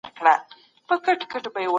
د کندهار په ودونو کي اتڼ څنګه ترسره کېږي؟